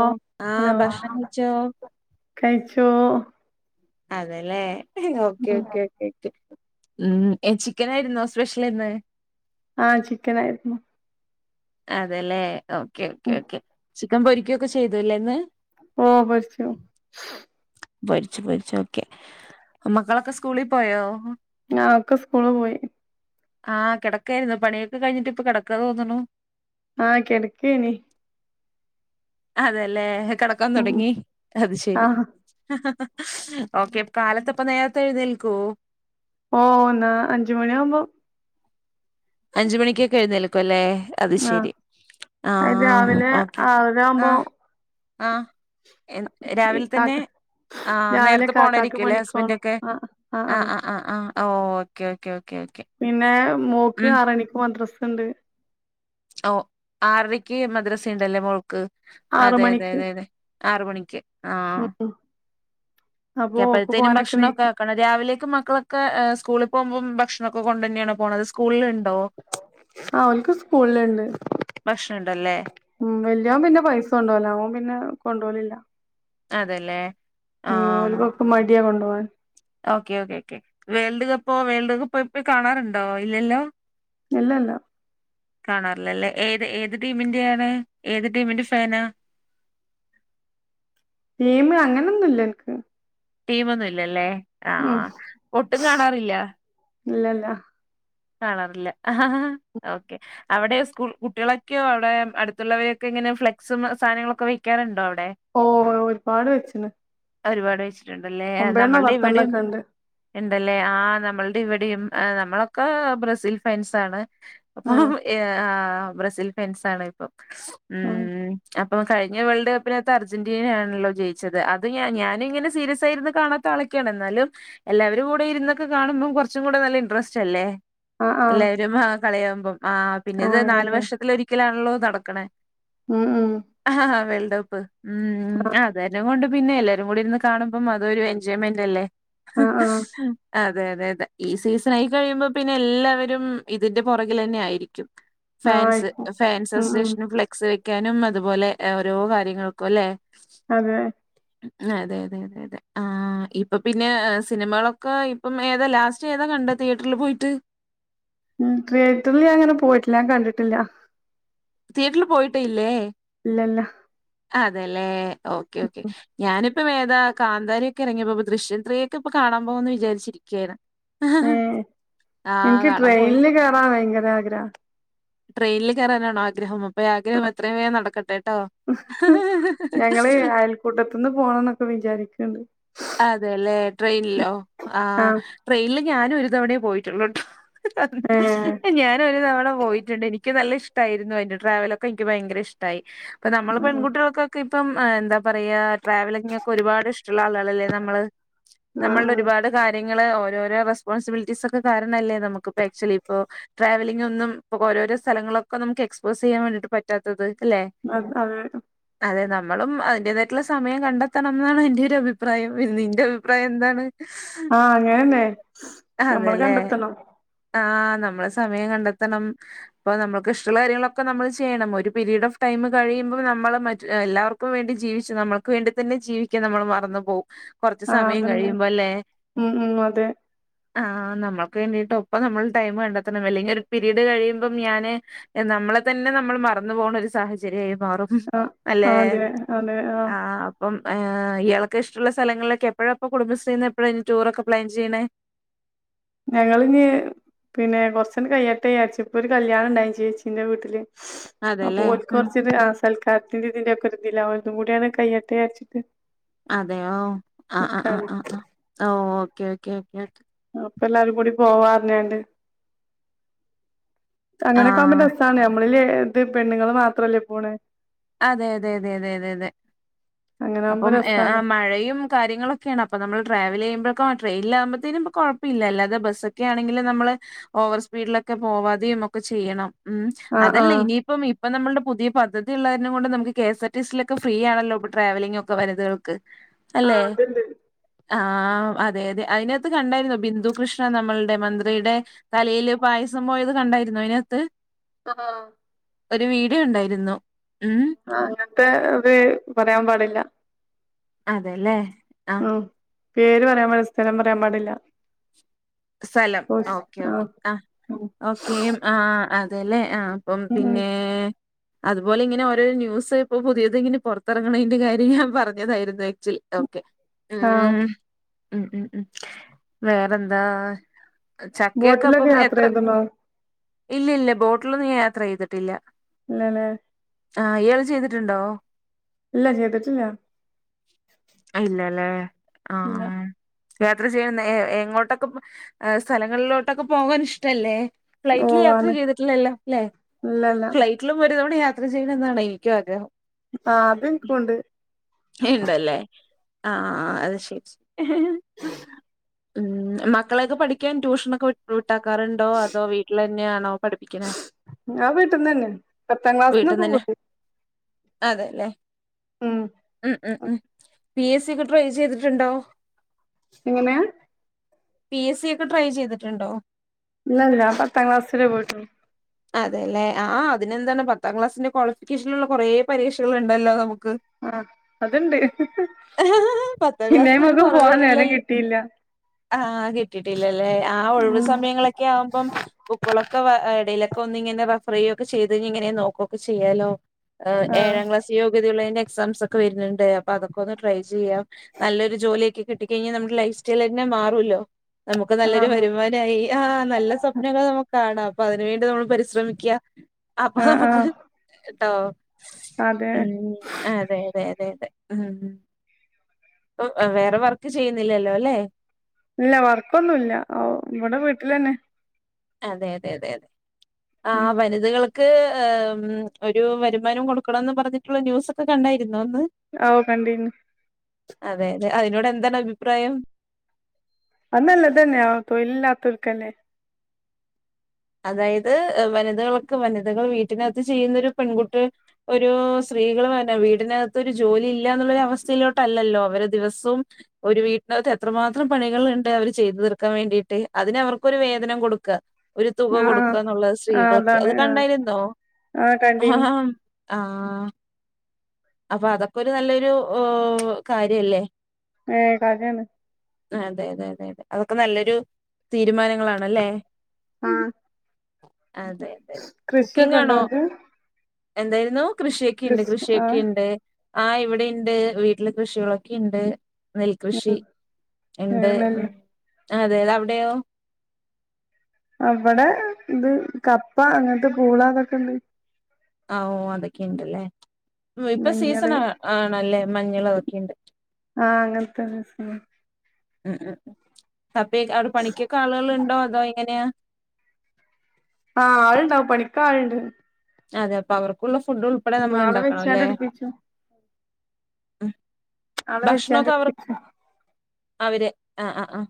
ഓ ആഹ് ഹലോ ഭക്ഷണം കഴിച്ചോ കഴിച്ചോ അതല്ലേ ഓക്കെ ഉം. ഓക്കെ ഓക്കെ ഓക്കെ ഉം ചിക്കൻ ആയിരുന്നോ സ്പെഷ്യൽ ഇന്ന് ആഹ ചിക്കൻ ആയിരുന്നു അതല്ലേ ഓക്കെ ഓക്കെ ഉം ഓക്കെ ചിക്കൻ പോരിക്കുക്കെ ചെയ്തുല്ലേന്ന് ഓ പൊരിച്ചു പോരിച്ചു പോരിച്ചു ഓക്കെ മക്കളൊക്കെ സ്കൂളിൽ പോയോ ഒക്കെ സ്കൂള് പോയി ആഹ് കിടക്കായിരുന്നു പണിയൊക്കെ കഴിഞ്ഞിട്ട് ഇപ്പൊ കിടക്കാണെ തോന്നണു ആഹ കിടക്ക നീ അതല്ലേ കിടക്കാൻ ഉം തുടങ്ങി അത് ആ ശരി ഓക്കെ കാലത്ത് ഇപ്പ നേരത്തെ എഴുന്നേൽക്കൂ ഓ ഒന്നാ അഞ്ചുമണിയാവവുമ്പോ അഞ്ച് മണിക്കൊക്കെ എഴുന്നേൽക്കും അല്ലേ അത് ആ ശരി അത് ആഹ രാവിലെ ഓക്കെ ഓ ആ. ആറരാവുമ്പോ ആഹ് എൻ ഈ രാവില്തന്നെ കാക്ക ആഹ് രാവിലെ നേരത്തെ കാക്കാക്ക് പോണായിരിക്കുല്ലെ പണിക്കോണം ഹസ്ബൻഡൊക്കെ ആ ആ ആഹ് ആഹ് ആഹ് ഓഹ് ഓക്കെ ക്കെ ക്കെ പിന്നേരും മോക്ക് ആറണിക്ക് മദ്രസ് ഇണ്ട് ഓ ആറരയ്ക്ക് മദ്രസ ഉണ്ടല്ലേ മോൾക്ക് ആറ് അതെ തെ മണിക്ക് തെ തെ ആറ് മണിക്ക് ആഹ് ഉം ക്ക അപ്പൊ ഓക്ക് അപ്പഴത്തേനും പോവാനൊക്കെ ഭക്ഷണൊക്കെ നീക്കും ആക്കണം രാവിലേക്ക് മക്കളൊക്കെ സ്കൂളി പോ പോകുമ്പം ഭക്ഷണൊക്കെ കൊണ്ടെന്നാണ് പോണത് സ്കൂളിൽ ഇണ്ട് ആഹ് ഓൻക്ക് സ്കൂ സ്കൂള്ണ്ട് ഭക്ഷണം ഉണ്ടല്ലേ വല്ല്യോൻ പിന്നെ പൈസൊണ്ടോല ഓം പിന്നെ കൊണ്ടോലില്ല അതെല്ലേ ഉം ഓൽക്കൊക്കെ മടിയി കൊണ്ടോ ഓൻ ഓക്കേ ഓക്കേ ക്കേ വേൾഡ് കപ്പോ വേൾഡ് കപ്പ് ഇപ്പോ കാണാറുണ്ടോ ഇല്ലല്ലോ ഇല്ലല്ല കാണാറില്ല ല്ലേ ഏത് ഏത് ടീമിന്റെയാണ് ഏത് ടീമിന്റെ ഫാനാ ടീമ് അങ്ങനൊന്നുല്ല ഇൻക്ക് ടീമൊന്നുല്ല ല്ലേ ആഹ് ഒട്ടും കാണാറില്ല ഇല്ല ല്ല കാണാറില്ല ഓക്കെ അവടെ സ്കൂ കുട്ടികളൊക്കെയോ അവിടെ അടുത്തുള്ളവരൊക്കെ ഇങ്ങനെ ഫ്ലക്സും സാധനങ്ങളൊക്കെ വെക്കാറുണ്ടോ അവിടെ ഓഹ് ഒരുപാട് വെച്ച്ണ് ഒര്പാട് വെച്ച് ണ്ടല്ലേ ഒമ്പേണ്ണോ നമ്മള്ടെ ഇവടിം പത്തെണ്ണൊക്കെ ഇണ്ട് ഇണ്ടല്ലേ ആഹ് നമ്മൾ അത് ഇവടീം ഏ നമ്മളൊ ക്കേ ബ്രസീൽ ഫാൻസാണ് അപ്പം ആഹ് ഏഹ് ആഹ് ബ്രസീൽ ഫെൻസ് ആണ് ഇപ്പം ആഹ് ഉം അഹ് അപ്പം കഴിഞ്ഞ വേൾഡ് കപ്പിനകത്ത് അർജന്റീന ആണല്ലോ ജയിച്ചത് അത് ഞ ഞാനും ഇങ്ങനെ സീരിയസ് ആയിരുന്നുന്ന് കാണത്ത ആളക്കെയാണ് എന്നാലും എല്ലാവരും കൂടെ ഇരുന്നൊക്കെ കാണുമ്പോ കൊറച്ചും കൂടെ നല്ല ഇൻട്രസ്റ്റ് റ്റല്ലേ ആഹ് ആഹ് എല്ലാരും വാ കളയാമ്പോം. ആ പിന്ന ഇത് ആഹ് നാല് കളിയാണ് വർഷത്തി ഒരിക്കലാണല്ലോ നട ക്കണെ ഉം ഉം. [unintelligible] ഉം അതെല്ലാം കൊണ്ട് പിന്നെ എല്ലാരും കൂടി ഇരുന്ന് കാണുമ്പം അതൊ ഒരു എൻജോയ്മെന്റ് അല്ലേ? ആഹ് ആഹ് ആ. അതെ അതെ അതെ ഈ സീസൺ ആയി കഴിയുമ്പോ പിന്നെ എല്ലാവരും ഇതിന്റെ പുറകില് തന്നെ ആയിരിക്കും. ആഹ് ഫാൻസ് ആയിരിക്കും ഫാൻസ് ഉം ഉം അസോസിയേഷൻ ഫ്ലെക്സ് വെ വെക്കാനും അതുപോലെ ഓരോ കാര്യങ്ങൾക്കും അല്ലെ? അതെ അതെ അതെ അതെ അതെ ആ ഇപ്പൊ പിന്നെ സിനിമകളൊക്കെ ഇപ്പം ഏതാ ലാസ്റ്റ് ഏതാ കണ്ടത്. തിയറ്ററില് പോയിട്ട്. ടിയറ്ററിൽ ഞൻ അങ്ങനെ പോയിട്ടില്ല. കണ്ടിട്ടില്ല. ടിയേറ്ററില് പോയിട്ട് ഇല്ലേ? ഇല്ലല്ല. അതെ ല്ലേ. ഓക്കെ ഓക്കെ ഞാന് ഇപ്പം ഏതാ കാന്താര ഒക്കെ ഇറങ്ങിയപ്പോ ദൃശ്യാം ത്രീക്കെ ഇപ്പൊ കാണാ പോകോന്ന് വിചാച്ചിരിക്യാണ്. ഏ എനിക്ക് കാണാൻ ട്രെയിനില് കേയറാൻ ഭയങ്കര ഗ്രഹാ ട്രെയിനിൽ കയറാനാണോ ആഗ്രഹം. അപ്പൊ ആഗ്രഹം എത്ര വേഗം നടക്കട്ടെ. ഞങ്ങള് അയൽക്കൂട്ടത്തുന്ന് പോണം എന്നൊക്കെ വിചാരിക്കണ്ട്. അതെല്ലേ ട്രെയിൻ ല്ലോ ആഹ് ട്രെയിൻല് ഞാനും ഒരു തവണയേ പോയിട്ടുള്ളു ട്ടോ. ഏഹ് ഞാന് ഒരു തവണ പോയിട്ടുണ്ട് എനിക്ക് എനിക്ക് നല്ല ഇഷ്ടായിരുന്നു അതിന്റെ ട്രാവലൊക്കെ എനിക്ക് ഭയങ്കര ഇഷ്ട്ടായി. അപ്പ നമ്മള് പെൺകുട്ടികൾക്കൊക്കെ പ്പം എന്താ പറയാ ട്രവലിങ് ഒക്കെ ഒരുപാട്ഷ്ടള്ള ആളാണ് നമ്മള് നമ്മൾടെ ആഹ് ഒരുപാട് കാര്യ നിങ്ങള ഓരോരോ റെസ് പോൺസിബിലിറ്റീസ് ഒക്കെ കാരണല്ലേ നമുക്ക് ആക്ച്വലി ഇപ്പോ ട്രാവലിംങ്‌ ഒന്നും ഇപ്പോ ഓരോരോ സ്ഥലങ്ങളൊക്കെ നമുക്ക് എക്സ്പോസ് ചെയ്യാൻ വേണ്ടിട്ട് പറ്റാത്തത്. അല്ലെ? [unintelligible] അതെ [unintelligible] നമ്മളും അതിന്റെതായിട്ടുള്ള സമയം കണ്ടെത്തണംമെന്നാണ് എന്റെ ഒരു അഭിപ്രായം അഭിപ്രായം നിന്റെ അഭിപ്രായം എന്താണ്? ആ അങ്ങനെന്നെ ഞമ്മള് കണ്ടെത്തണം ആ നമ്മള് സമയം കണ്ടെത്തണം. അപ്പൊ നമ്മുക്ക് ഇഷ്ടമുള്ള കാര്യങ്ങളൊക്കെ നമ്മൾ ചെയ്യണം. ഒരു പീരീഡ് ഓഫ് ടൈം കഴിയുമ്പോൾ നമ്മൾ മറ്റ് എല്ലാവർക്കും വേണ്ടി ജീവിച്ചു നമ്മൾക്ക് വേണ്ടി തന്നെ ജീവിക്കാം നമ്മൾ മറന്ന വും. കുറച്ച് ആഹ് സമയം അതുണ്ട് കഴിയുമ്പോല്ലേ. ഉം ഉം അതെ ആ നമ്മ വേണ്ടിട്ട് ഒപ്പം നമ്മൾ ടൈം കണ്ടെത്തണം അല്ലെങ്കിൽ ഒരു പീരീഡ് കഴിയുമ്പംഞാന് നമ്മളെ തന്നെ നമ്മൾ മറന്നു പോകണ ഒരു സാഹചര്യയാ മാറും ആഹ് അല്ലേ ആഹ് അതെ അതെ ആഹ് ആ അപ്പം ആ ഇയാ ക്ക് ഇഷ്ടമുള്ള സ്ഥലങ്ങളിലൊക്കെ എപ്പോഴാപ്പോ കുടുംബശ്രീയിൽ നിന്ന് എപ്പഴാണ് ഇനി ടൂർക്കെ പ്ലാൻ ചെയ്യണേ? ഞങ്ങള് ഇനി പിന്നെ കൊറച്ച് നേരം കയ്യേട്ടന്ന് വിചാരിച്ച്. ഇപ്പൊ ഒരു കല്യാണം ഉണ്ടായി ചേച്ചിന്റെ വീട്ടില്. അപ്പൊ അതെല്ലേ ഓൾക്ക് ഉം കുറച്ചി കത്തിന്റെ ഇതിന്റെ ഒക്കെ ഇതില്ല ഒതും കൂടയാണ് കൈയ്യട്ടെന്ന് വിചാരിച്ചിട്ട് അതെയോ ആ ആ നിക്കാണ് ആ ആ ഓ ഓ [unintelligible] അപ്പ എല്ലാരും കൂടി പോവാന്നറിഞ്ഞുണ്ട് ആ അങ്ങനെക്കെകാകുമ്പം രസാണ് നമ്മളില് ഇത് പെണ്ണുങ്ങൾ മാത്രല്ലേ പോണേ? അതെ അതെ അതെ അതെ അതെ അതെ അങ്ങനെ ആവുമ്പോ അപ്പം രസാണ് മഴയും കാര്യങ്ങളൊക്കെയാണ് അപ്പം നമ്മൾ ട്രാവൽ ചെയ്യുമ്പോ ക് ട്രെയിനിലാകുമ്പഴത്തേനും ഇപ്പൊ കുഴപ്പ ഇല്ലഅല്ലാതെ ബസ്സൊക്കെ ആണെങ്കിൽ നമ്മള് ഓവർ സ്പീഡിലൊക്കെ പോവാതെയും ഒക്കെ ചെയ്യണം. ഉം. ആഹ് അതല്ല ആഹ് ഇനിയിപ്പം ഇപ്പൊ നമ്മളുടെ പുതിയ ള്ള കാരണം കൊണ്ട് നമ്മുക്ക് K. S. R. T C. യിലൊക്കെ നമ്മക്ക്ഫ്രീ ആണല്ലോ ഇ ട്രാവലിങ്ങ് ഒക്കെ വനിതകൾക്ക്. അല്ലേ? ആഹ് അത്ണ്ട് ആ അതെ അതെ അതിനകത്ത് കണ്ടായിരുന്നോ ബിന്ദു കൃഷ്ണ നമ്മളുടെ മന്ത്രിയുടെ തലയില് പായസം പോയത് കണ്ടായിരുന്നോ അതിനകത്ത്? ആ ഒരു വീഡിയോ ഉണ്ടായിരുന്നു. ഉം. ആ അങ്ങനത്തെ ഒരു പറയാൻ പാടില്ല അതെല്ലേ. ആ ഉം പേര് പറയാൻ പാടില്ല സ്ഥലം പറയാൻ പാടില്ല. സ്ഥലം കോഴ്സ് ഓക്കെ ആഹ് ഓക്കെആ ഉം ഓക്കേ ആ അതല്ലേ? ആ അപ്പം ഉം പിന്നെ അതുപോലെ ഇങ്ങനെ ഓരോ ന്യൂസ് ഇപ്പോ പുതിയത് ഇങ്ങനെ പുറത്തിറങ്ങണതിന്റെ കാര്യം ഞാൻ പറഞ്ഞതായിരുന്നു നെറ്റിൽ ഓക്കെ. ആ ഉം. ഉം ഉം ഉം വേറെന്താ? ബോട്ടിലൊക്കെ യാത്ര ചെയ്തുന്നോ? ഇല്ല ഇല്ല ബോട്ടിലൊന്നും ഞാൻ യാത്ര ചെയ്തിട്ടില്ല. ഇല്ലല്ലേ ആ ഇയാള്ചെയ്തിട്ടുണ്ടോ ഇല്ല ചെയ്തട്ടില്ല ല്ലേ ആ ഉം യാത്ര ചെയ്യാൻ എഎങ്ങോട്ടൊക്കെ ആ സ്ഥലങ്ങളിലോട്ടൊക്കെ പോകാൻ ഇഷ്ടല്ലേ ഫ്ലൈറ്റില് ഓഹ് യാത്ര ആണ് ചെയ്തിട്ടില്ലല്ലോ ല്ലേ ഇല്ലല്ല ഫ്ലൈറ്റിലും ഒരു തവണയാ ഇത് ചെയ്യണമെന്നാണ് എനിക്കും ആഗ്രഹം അ അത് നിക്കും ണ്ട് ണ്ടല്ലേ ആ അത് ശരി ഉം മക്കളെയൊക്കെ പഠിക്കാൻ ട്യൂഷനൊക്കെ വിട്ടാക്കാറുണ്ടോ അതോ വീട്ടിൽ ന്നെയാണോ പഠിപ്പിക്കണ ആ വീട്ടിന്നന്നെ പത്താം ക്ലാസ്സിൽ ഒക്കെ പോയി അതെല്ലെ ഉം റ്റ്ണ്ടോ എങ്ങനെയ പി എസ് സി ഒക്കെ ട്രൈ ചെയ്തിട്ടുണ്ടോ ഇല്ല ഇല്ല പത്താം ക്ലാസ്സ്‌ വരെ പോയിട്ടുള്ളു അതെല്ലെ ആ അതിനെന്താണ് പത്താം ക്ലാസ്സിന്റെ ക്വാളിഫിക്കേഷനുള്ള കുറെേ പരീക്ഷകൾ ഉണ്ടല്ലോ നമു ക്ക് ആഹ് അത്ണ്ട് [unintelligible] പിന്നെ പത്താക്ലാസ്സ്‌ന്നും അയ്മക്ക് ഒര്കോറവേ പോവാൻ നേരം അല്ലല് കിട്ടിയില്ല ആ കിട്ട്ടില്ലല്ലേ ആ ഒഴിവ് സമയങ്ങളെകെ ആമ്പോ ബുക്കൊളോക്കെ വാ എ ക്ക ഒന്ന് ഇങ്ങനെ റഫർ ചെയ്യോൊക്ക ചെയ്ഴ ഇങ്ങനെ നോക്കുവൊക്കെ ചെയ്യാലോ ആഹ് ഏഴാം ക്ലാസ് യൊക്യത ഉള്ള എക്സാം ഒക്കെ വരുന്നുണ്ട് അപ്പൊ അതൊക്കെ ഒന്ന് ട്രൈ ചെയ്യാം നല്ലൊരു ജോലിയൊക്കെ കിട്ടി കഴിഞ്ഞാൽ നമ്മുടെ ലൈഫ് സ്റ്റൈൽ തന്നെ മാറുല്ലോ നമുക്ക് നല്ലൊരു ആഹ് വരുമാനയി ആ നല്ല സ്വപ്നങ്ങൾ നമു കാണാം അപ്പ അതിന് വേണ്ടി നമ്മ പരിശ്രമിക്ക അപ്പൊ ആഹ് നമ്മക്ക് ആഹ് ആ അതെ ഉം അതെ അതെ അതെ അതെ ഉം വേറെ വർക്ക് ചെയ്യുന്നില്ലല്ലോ അല്ലെ ഇല്ല വർക്കൊന്നുല്ല ഓ ഇവിടെ വീട്ടിൽ അന്നെ അതെ അതെ അതെ അതെ ആ ഉം വനിതകൾ ക്ക് ഒരു വരുമാനം കൊടുക്കണംന്ന് പറഞ്ഞിട്ടുള്ള ന്യൂസ് ഒക്കെ കണ്ടർ ഓ കണ്ടിരുന്നു അതെ അതെ അതിനോട് എന്താണ് അഭിപ്രായം? അത് നല്ലത് തന്നെ ആ തൊഴിൽ ഇല്ലാത്തൊർക്ക് അല്ലെ അതായത് വനിതകൾക്ക് വനിതകൾ വീട്ടിനാത്ത് ചെയ്യുന്ന ഒരു പെൺകുട്ടി ഒരു സ്ത്രീകൾ വീടിനകത്ത് ഒരു ജോലി ഇല്ലന്നുള്ള ഒരു അവസ്ഥയിലോട്ടല്ലല്ലോ അവര് ദിവസവും ഒരു വീട്ടിനകത്ത് എത്രമാത്രം പണികൾ ഉണ്ട് അവര് ചെയ്തു തീർക്കാൻ വേണ്ടിട്ട് അതിനവർക്കൊരു വേതനം കൊടുക്കുക ഒരു തുക ആഹ് കൊടുക്കുക എന്നുള്ളത് ആഹ് സ്ത്രീകൾക്ക് അതാണ് അത് ആഹ് കണ്ടായിരുന്നോ ആഹ് കണ്ടീന് ആ അപ്പൊ അതൊക്കെ ഒരു നല്ലൊരു ഒ കാര്യല്ലേ ഏ കാര്യാണ്. അതെ അതെ അതെ അതെ അതൊക്കെ നല്ലൊരു തീരുമാനങ്ങളാണല്ലേ? ആ അതെ അതെ ഉണ്ടോ കുക്കിംങാണോ ഇങ്ങക്ക് എന്തായിരുന്നു? കൃഷിയൊക്കെയുണ്ട് കൃഷി ആഹ് കൃഷിയൊക്കെയുണ്ട് ആഹ് ഇവിടെണ്ട് വീട്ടില് കൃഷികളൊക്കെ ഉണ്ട്. നെൽകൃഷി ഉണ്ട് ഏഹ് ഉം നെല്ല് അതെത അവിടെയോ? അവിടെ ഇത് കപ്പ അങ്ങനത്തെ കൂളാ അതൊക്കെ ഇണ്ട് ഓ അതൊക്കെ ഇണ്ടല്ലേ ഇപ്പ മഞ്ഞള് സീസണാ ആണല്ലേ മഞ്ഞളൊക്കെ ഇണ്ട് ആഹ് അങ്ങനത്തെത് ഉം ഉം കപ്പേ അവിടെ പണിക്കൊക്കെ ആളുകൾ ഉണ്ടോ അതോ എങ്ങനെയാ? ആ ആളുണ്ടാവും പണിക്കാള്ണ്ട് അതെ അപ്പൊ അവർക്കുള്ള ഫുഡ് ഉൾപ്പെടെ നമ്മൾ ആളെ ഇണ്ടാക്കണം വെച്ചാണ്ട് അല്ലേ? എടുപ്പിച്ചു ഉം ആളെ വെച്ചാ [unintelligible] അവര് ആ ആ ആ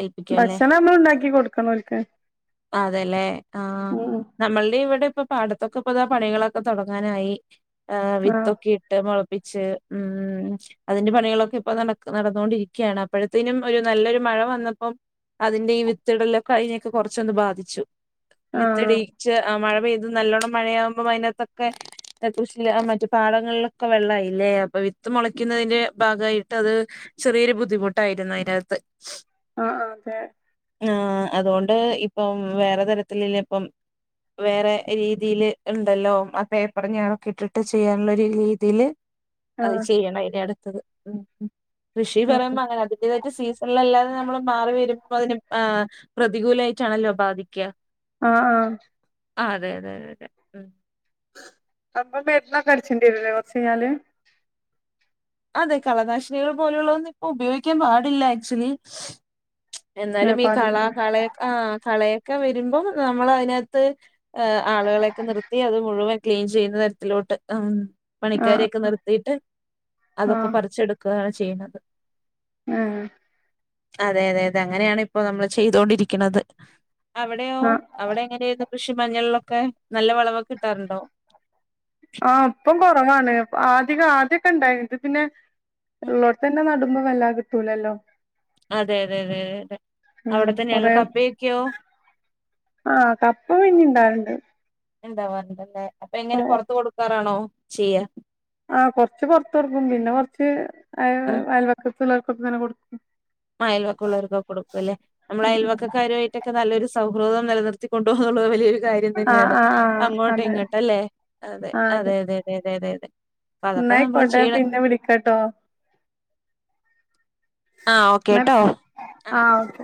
ഏൽപ്പിക്കുംല്ലേ ഭക്ഷണം നമ്മള് ഉണ്ടാക്കി കൊടുക്കണം ഓൽക്ക് അതെല്ലേ ആഹ് ഉം ഉം നമ്മൾടെ ഇവിടെ ഇപ്പൊ പാടത്തൊക്കെപ്പതാ പണികളൊക്കെ തുടങ്ങാനായി ആ ആഹ് വിത്തൊക്കെ ഇട്ട് മൊള പ്പിച്ച് ഉം അതിന്റെ പണികളൊക്കെ ഇപ്പൊ നടക് നടന്നോണ്ടിരിക്കയാണ് അപ്പോഴത്തേനും ഒരു നല്ലൊരു മഴ വന്നപ്പം അതിന്റെ ഈ വിത്തിടലൊക്കെ അയ്നെക്ക കൊറച്ചൊന്ന് ബാധിച്ചു ആഹ് വിത്തിടീച്ച് മഴ അത് നല്ലോണം മഴയാവുമ്പോ അതിനാത്തൊക്കെ കുശ മറ്റ് പാടങ്ങളിലൊക്കെ വെള്ളായില്ലേ അപ്പൊ വിത്ത് മുളക്കുന്നതിന് ഭാഗായിട്ട് അത് ചെറിയൊരു ബുദ്ധിമുട്ടായിരുന്നു അതിനാത്ത് ആഹ് അതെ ആ അതുകൊണ്ട് ഇപ്പം വേറെ തരത്തിലില്ലെ ഇപ്പം വേറെ രീതില് ഇണ്ടല്ലോ ആ പേപ്പർ ഞാണൊക്കെ ഇട്ടിട്ട് ചെയ്യാനുള്ള ഒരു രീതിയില് അത് ആഹ് ചെയ്യണ ഇബ്ടെ ത്തത് ഉം കൃഷി പറിയുമ്പോ അങ്ങനെ അതിന്റേതായിട്ട് സീസണിലല്ലാതെ നമ്മൾ മാറി വെര്മ്പോ അതിന് ആ പ്രതികൂലായിട്ടാണല്ലോ ബാധിക്ക്യാ ആ ആ ആ അതെ അതെ ഇതാരും അല്ല ഉം അപ്പ മെര്ന്നൊക്കെ അട്ച്ചെണ്ടി വെരും ലെ കൊറച്ച് കഴിഞ്ഞാൽ അതെ കളനാശിനികൾ പോലുള്ള ഒന്നും ഇപ്പം ഉപയോഗിക്കാൻ പാടില്ലാ ആക്ചോലി എന്നാലും ഈ കള പാടില്ല കളയെ ആ കളയൊക്കെ വരുമ്പോ നമ്മൾ അയിന് ത് ഏ ആൾകളെയൊക്കെ നിർത്തി അത് മുഴുവൻ ക്ലീൻ ചെയ്യുന്ന തരത്തിലോട്ട് ആ ആഹ് പണിക്കാരെയൊക്കെ നിർത്തിട്ട് അതൊക്കെ പറിച്ചെടു ക്കാണ് ചെയ്യ്ന്നത് ഏ അതെ അതെ അതെ അങ്ങനെയാണ് ഇപ്പോ നമ്മൾ ചെയ്തോണ്ടിരിക്ക്ണത് അവടെയോ ആഹ് അവടെ എങ്ങനെയെ കൃഷി മഞ്ഞളിലൊക്കെ നല്ല വെളെവൊക്കെ കിട്ടാറുണ്ടോ ആ ഇപ്പം കൊറവാണ് ആദ്യക്കെ ആദ്യയെക്കെ ഇണ്ടായിനി ഇത് പിന്നെ ഉം. ഇള്ളോട്ട് എന്നെ നടും മ്പം വല്ലാ കിട്ടുലല്ലോ അതെ അതെ അതെ അതെ അതെ ഉം അവിടെ തന്നെയുള്ള കൊറേ കപ്പയൊക്കെയോ ആ കപ്പ പിന്നിം ഇണ്ടാകൽ ഇണ്ട് ഇണ്ടാവാർ ഇണ്ട് അല്ലെ അപ്പ എങ്ങനെ പൊറത്ത് കൊട്ക്കാറാണോ ചെയ്യാ ആ കൊറച്ച് പെറത്ത്കൊട്ക്കും പിന്നെ കൊറച്ച് അയ അയൽവാക്ക പില്ലേർക്കൊക്കെ ഇങ്ങനെ കൊട് ആ അയൽവക്കം ഉള്ളോർക്കൊക്കെ കൊടുക്കും അല്ലേ നമ്മൾ ഉം ഉം അയൽവാക്കാരുവായിട്ടൊക്കെ നല്ലൊരു സ സൗഹൃദം നെലനിർത്തി കൊണ്ടോവാന്നുള്ളത് വലിയൊര് കാര്യം ആഹ് തന്നെയാണ് ആഹ് ആഹ് അങ്ങോട്ടും അതെ ഇങ്ങോട്ടും അല്ലേ അതെ അതെ അതെ അതെ അതെ അതെ അതെ അപ്പൊ അതൊക്കെ നമ്മള് ഇന്നായിക്കോട്ടെ ചെയ്യണം പിന്നെ വിളിക്കാട്ടോ ആ എന്നാ ഓക്കേട്ടോ അ ആഹ് ഓക്കെ